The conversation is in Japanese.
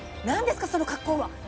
何ですか、その格好は。